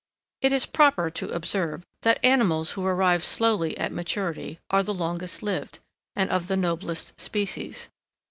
It is proper to observe, that animals who arrive slowly at maturity, are the longest lived, and of the noblest species.